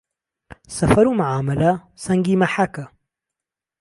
سهفهرو مهعامهله سهنگی مهحهکه